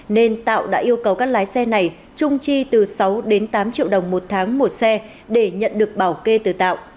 nên tạo đã yêu cầu các lái xe này trung chi từ sáu đến tám triệu đồng một tháng một xe để nhận được bảo kê từ tạo